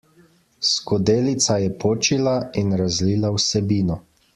Skodelica je počila in razlila vsebino.